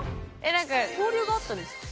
なんか交流があったんですか？